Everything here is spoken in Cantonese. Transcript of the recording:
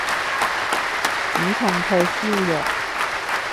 止痛退燒藥